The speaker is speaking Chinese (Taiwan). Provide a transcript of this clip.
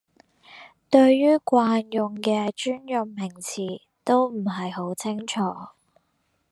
對於慣用的專用名詞也不是很清楚